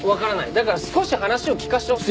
だから少し話を聞かせてほしくて。